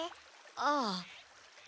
ああ。